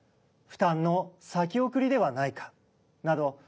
負担の先送りではないか？など